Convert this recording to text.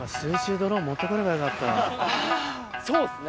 そうっすね。